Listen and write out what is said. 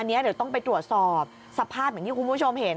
อันนี้เดี๋ยวต้องไปตรวจสอบสภาพเหมือนที่คุณผู้ชมเห็น